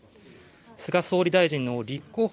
菅総理大臣の立候補